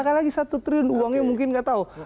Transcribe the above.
apalagi satu triliun uangnya mungkin gak tahu